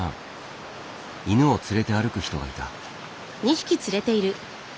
犬を連れて歩く人がいた。